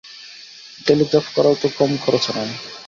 Telegraph করাও তো কম খরচা নয়।